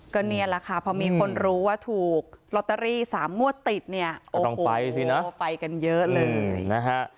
ก็เนียนแหละค่ะเพราะมีคนรู้ว่าถูกลอตเตอรี่สามมวดติดเนี้ยโอ้โหไปกันเยอะเลยนะฮะ